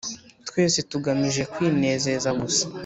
twese tugamije kwinezeza gusa